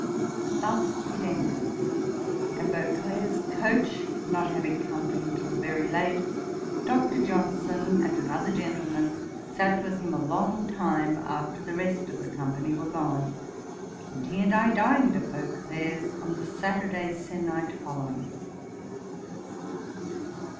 Thus it ended; and Beauclerk's coach not having come for him till very late, Dr. Johnson and another gentleman sat with him a long time after the rest of the company were gone; and he and I dined at Beauclerk's on the Saturday se'nnight following.